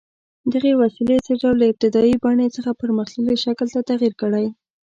دغې وسیلې څه ډول له ابتدايي بڼې څخه پرمختللي شکل ته تغییر کړی؟